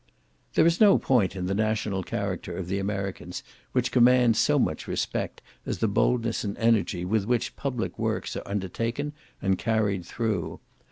There is no point in the national character of the Americans which commands so much respect as the boldness and energy with which public works are undertaken and carried through.